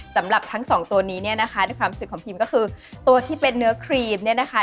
สำหรับทั้งสองตัวนี้เนี่ยนะคะในความรู้สึกของพิมก็คือตัวที่เป็นเนื้อครีมเนี่ยนะคะ